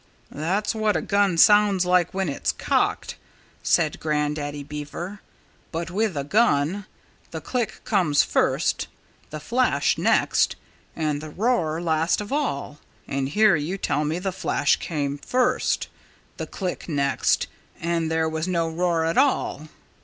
"That's what a gun sounds like when it's cocked," said Grandaddy Beaver. "But with a gun, the click comes first, the flash next, and the roar last of all. And here you tell me the flash came first, the click next, and there was no roar at all....